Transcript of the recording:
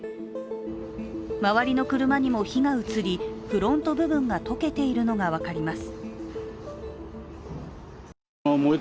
周りの車にも火が移り、フロント部分が溶けているのが分かります。